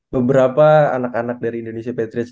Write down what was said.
beberapa anak anak dari indonesia patrice